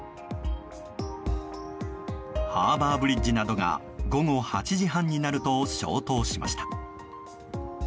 ハーバーブリッジなどが午後８時半になると消灯しました。